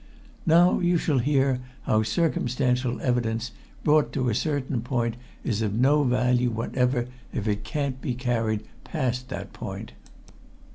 Now you shall hear how circumstantial evidence, brought to a certain point, is of no value whatever if it can't be carried past that point.